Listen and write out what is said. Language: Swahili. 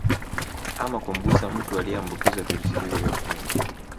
Ama kumgusa mtu aliyeambukizwa virusi hivyo vya ukimwi